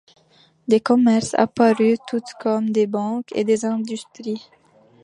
Des commerces apparurent tout comme des banques et des industries.